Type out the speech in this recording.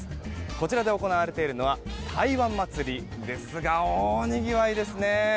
こちらで行われているのは台湾祭ですが大にぎわいですね。